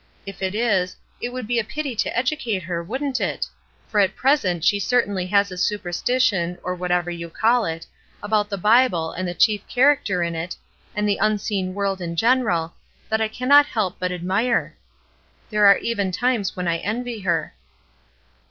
If it is, it would be a pity to educate her, wouldn't it? For at present she certainly has a superstition, or whatever you call it, about the Bible and the chief character in it, and the unseen world in general, that I cannot help but admire; there are even times when I envy her."